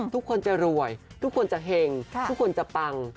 ทุกคนจะรวยทุกคนจะเห็งทุกคนจะปัง